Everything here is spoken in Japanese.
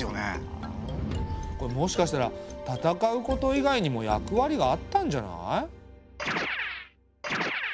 これもしかしたら戦うこと以外にも役割があったんじゃない？